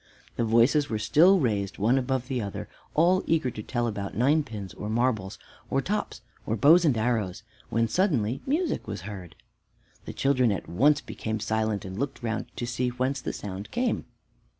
The voices were still raised one above the other, all eager to tell about ninepins, or marbles, or tops, or bows and arrows, when suddenly music was heard. The children at once became silent, and looked round to see whence the sound came.